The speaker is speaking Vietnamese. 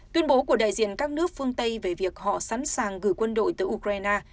tuyên bố của đại diện các nước phương tây về việc họ sẵn sàng gửi quân đội tới ukraine